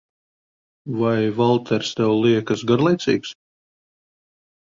Vai Valters tev liekas garlaicīgs?